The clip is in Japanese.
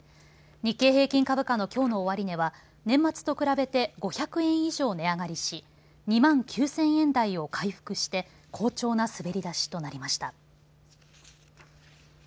日経平均株価のきょうの終値は年末と比べて５００円以上値上がりし２万９０００円台を回復して好調な滑り出しとなりました。